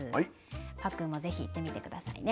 パックンも是非行ってみてくださいね。